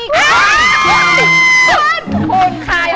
คุณโคย